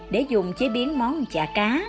để dùng chế biến món chả cá